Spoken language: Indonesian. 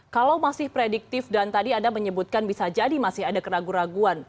kalau masih prediktif dan tadi anda menyebutkan bisa jadi masih ada keraguan keraguan